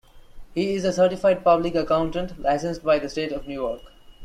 He is a Certified Public Accountant, licensed by the state of New York.